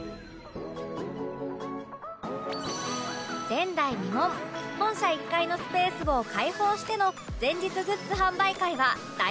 前代未聞本社１階のスペースを開放しての前日グッズ販売会は大盛況！